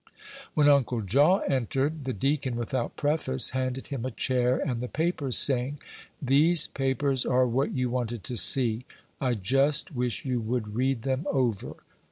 When Uncle Jaw entered, the deacon, without preface, handed him a chair and the papers, saying, "These papers are what you wanted to see. I just wish you would read them over."